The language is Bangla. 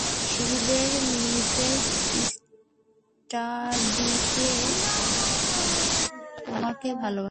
শিশুদের, মিসেস স্টার্ডিকে ও তোমাকে ভালবাসা।